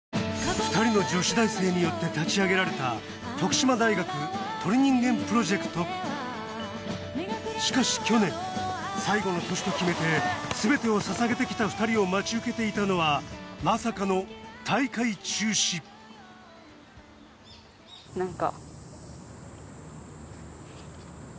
２人の女子大生によって立ち上げられた徳島大学鳥人間プロジェクトしかし去年最後の年と決めて全てを捧げてきた２人を待ち受けていたのはまさかの大会中止なんか。